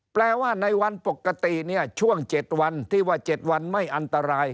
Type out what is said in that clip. แปลว่าในวันปกติเนี่ยช่วง๗วันที่ว่า๗วันไม่อันตราย